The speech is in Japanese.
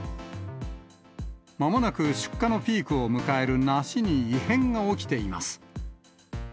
まもなく出荷のピークを迎える梨に異変が起きています。